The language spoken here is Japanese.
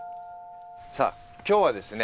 さあ今日はですね